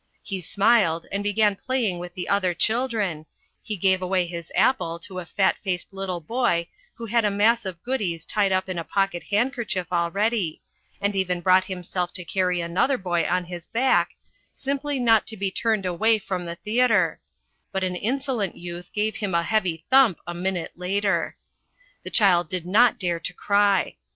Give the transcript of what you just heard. He smiled and began playing with the other children, he gave away his apple to a fat faced little boy who had a mass of goodies tied up in a pocket handkerchief already, and even brought himself to carry another boy on his back, simply not to be turned away from the theatre, but an insolent youth gave him a heavy thump a minute later. The child did not dare to cry.